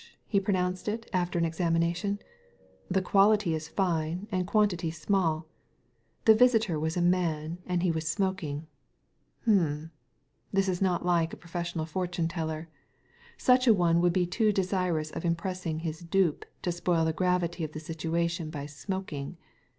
he pronounced it after an examination, "the quality is fine and quantity small The visitor was a man and he was smoking. H'ml That is not like a professional fortune teller. Such a one would be too desirous of impressing his dupe to spoil the gravity of the situation by smoking.